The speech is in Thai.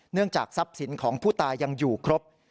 จากทรัพย์สินของผู้ตายยังอยู่ครบ